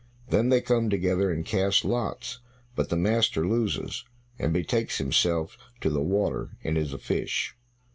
Then they come together and cast lots, but the master loses, and betakes himself to the water and is a fish.